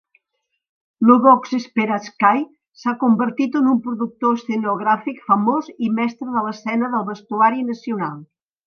Lyubov Sperànskaia s'ha convertit en un productor escenogràfic famós i mestre de l'escena i del vestuari nacional.